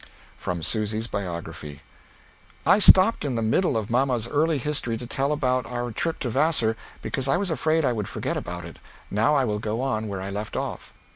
From Susy's Biography. I stopped in the middle of mamma's early history to tell about our tripp to Vassar because I was afraid I would forget about it, now I will go on where I left off.